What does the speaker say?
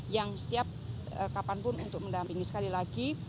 yang siap kapanpun untuk mendampingi sekali lagi